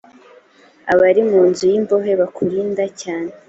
abari mu nzu y imbohe kubarinda cyane n